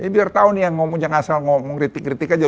biar tahu nih yang ngomong jangan asal ngomong kritik kritik aja